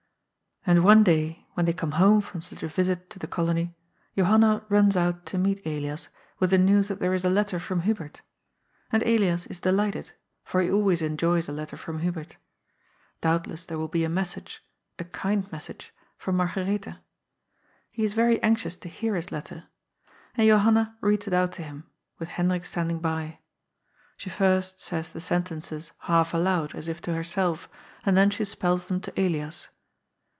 And one day, when they come home from such a visit to the Colony, Johanna runs out to meet Elias with the news that there is a letter from Hubert. And Elias is delighted, for he always enjoys a letter from Hubert. Doubtless there will be a message — 9, kind message — from Margaretha. He is very anxious to hear his letter. And Johanna reads it out to him, with Hendrik standing by. She first says the 288 GOD'S FOOL. Bentenoes half aloud, as if to herself, and then she spells them to Elias.